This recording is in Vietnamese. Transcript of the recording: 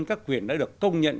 các quyền đã được công nhận